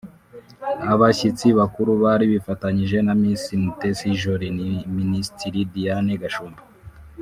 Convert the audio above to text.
Abashyitsi bakuru bari bifatanyije na Miss Mutesi Jolly ni Minisitiri Diane Gashumba